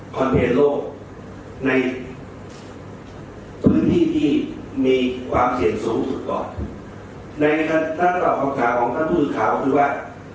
เหตุโลกในพื้นที่ที่มีความเสี่ยงสูงสุดก่อนในถ้าตอบคำถามของท่านผู้สื่อข่าวคือว่า